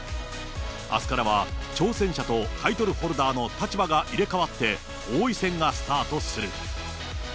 あすからは挑戦者とタイトルホルダーの立場が入れ代わって王位戦がスタートする。